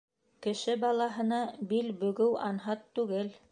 — Кеше балаһына бил бөгөү анһат түгел!